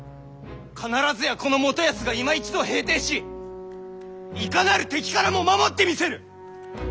必ずやこの元康がいま一度平定しいかなる敵からも守ってみせる！